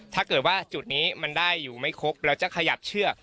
ถ้าเกิดว่าจุดนี้มันได้อยู่ไม่ครบเราจะขยับเชือก